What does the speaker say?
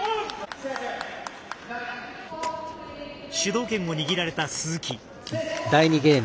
主導権を握られた鈴木。